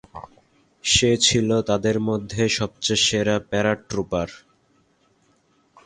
সে ছিল তাদের মধ্যে সবচেয়ে সেরা প্যারাট্রুপার।